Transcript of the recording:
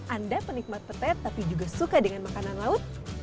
anda penikmat pete tapi juga suka dengan makanan laut